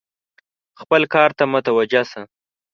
خپل کار ته متوجه شه !